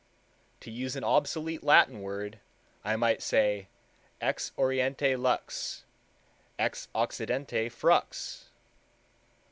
To use an obsolete Latin word, I might say, Ex oriente lux; ex occidente FRUX.